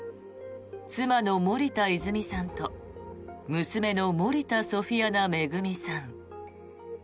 妻の森田泉さんと娘の森田ソフィアナ恵さん。